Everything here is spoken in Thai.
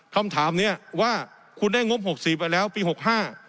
คำถามเนี้ยว่าคุณได้งบหกสี่ไปแล้วปีหกห้า